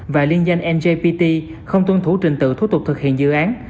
và liên danh ngbt không tuân thủ trình tựu thu tục thực hiện dự án